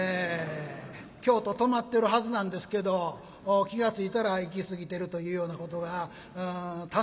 京都止まってるはずなんですけど気が付いたら行き過ぎてるというようなことが多数ございましてですね。